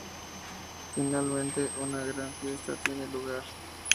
Finalmente una gran fiesta tiene lugar.